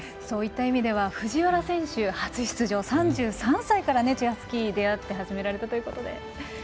そういった意味では藤原選手、初出場、３３歳からチェアスキーに出会って始められたということで。